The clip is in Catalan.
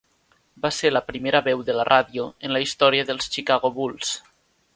Va ser la primera veu de la ràdio en la història dels Chicago Bulls.